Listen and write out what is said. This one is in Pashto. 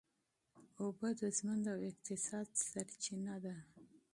اوبه د ژوند او اقتصاد سرچینه ده.